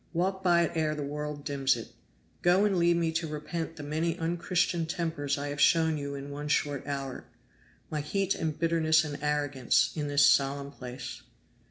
Walk by it ere the world dims it. Go and leave me to repent the many unchristian tempers I have shown you in one short hour my heat and bitterness and arrogance in this solemn place."